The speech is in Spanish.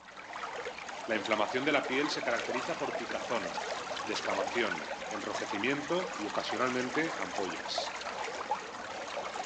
La inflamación de la piel se caracteriza por picazón, descamación, enrojecimiento y, ocasionalmente, ampollas.